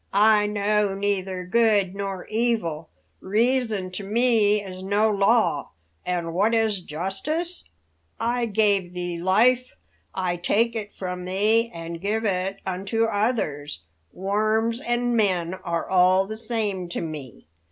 "I know neither good nor evil. Reason to me is no law. And what is justice? I gave thee life; I take it from thee and give it unto others; worms and men are all the same to me....